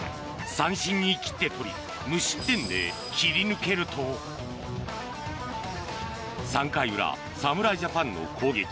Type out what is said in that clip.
三振に切って取り無失点で切り抜けると３回裏、侍ジャパンの攻撃。